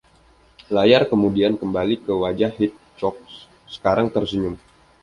Layar kemudian kembali ke wajah Hitchcock, sekarang tersenyum.